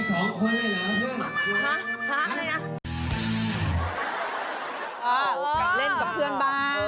กลับเล่นกับเพื่อนบ้าง